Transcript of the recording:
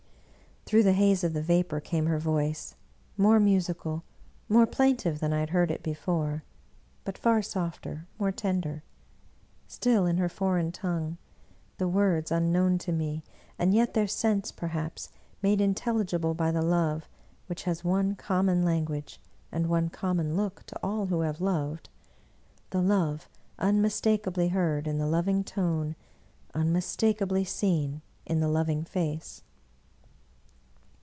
Through the haze of the vapor came her voice, more musical, more plaintive than I had heard it before, but far softer, more tender: still in her foreign tongue; the words unknown to me, and yet their sense, perhaps, made intel ligible by the love, which has one common language and one common look to all who have loved — the love un mistakably heard in the loving tone, unmistakably seen in the loving face.